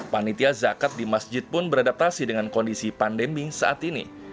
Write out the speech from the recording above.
panitia zakat di masjid pun beradaptasi dengan kondisi pandemi saat ini